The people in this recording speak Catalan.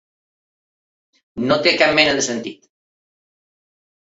No té cap mena de sentit.